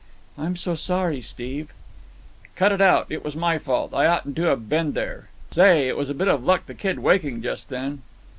"I'm so sorry, Steve." "Cut it out. It was my fault. I oughtn't to have been there. Say, it was a bit of luck the kid waking just then."